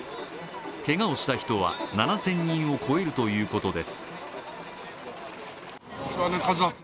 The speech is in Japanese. けがをした人は７０００人を超えるということです